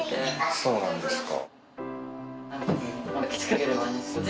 そうなんですか。